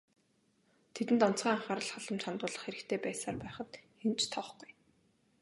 Тэдэнд онцгой анхаарал халамж хандуулах хэрэгтэй байсаар байхад хэн ч тоохгүй.